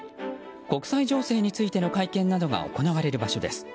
国際情勢についての会見などが行われる場所です。